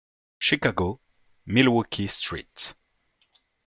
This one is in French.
Chicago, Milwaukee, St.